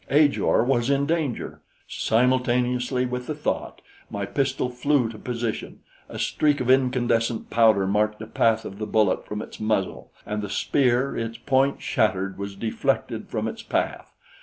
Ajor was in danger! Simultaneously with the thought my pistol flew to position, a streak of incandescent powder marked the path of the bullet from its muzzle; and the spear, its point shattered, was deflected from its path.